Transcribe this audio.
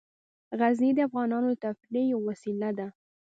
غزني د افغانانو د تفریح یوه وسیله ده.